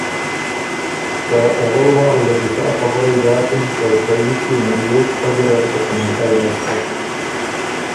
که اول واره له دی سا خبُرئ داکِن که په ایټيې هېنيېک، پۀ ګیرډ په کُونَټئ نستک۔